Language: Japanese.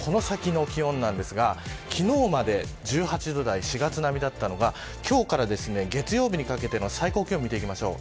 この先の気温ですが昨日まで１８度台４月並みだったのが今日から月曜日にかけての最高気温を見ていきましょう。